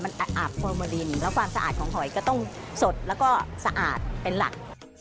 เพราะว่าความสะอาดของหอยก็ต้องสดแล้วก็สะอาดเป็นหลัก